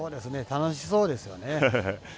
楽しそうですよね。